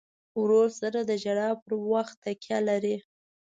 ورور سره د ژړا پر وخت تکیه لرې.